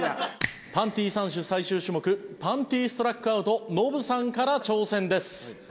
パンティ３種最終種目パンティストラックアウトノブさんから挑戦です。